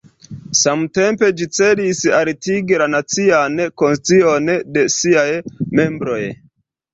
Samtempe ĝi celis altigi la nacian konscion de siaj membroj.